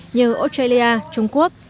như australia trung quốc